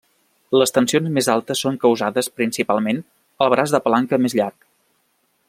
Les tensions més altes són causades, principalment, al braç de palanca més llarg.